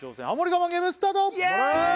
我慢ゲームスタートイエーイ！